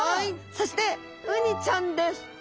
そしてウニちゃんです。